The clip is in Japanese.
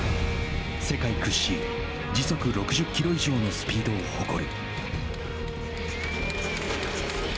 世界屈指時速６０キロ以上のスピードを誇る。